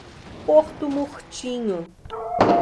Porto Murtinho